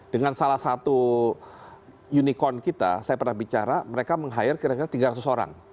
dengan salah satu unicorn kita saya pernah bicara mereka meng hire kira kira tiga ratus orang